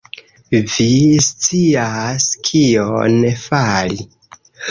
Vi scias kion fari!